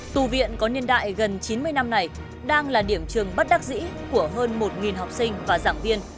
tù viện có niên đại gần chín mươi năm này đang là điểm trường bất đắc dĩ của hơn một học sinh và giảng viên